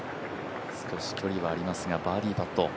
少し距離はありますが、バーディーパット。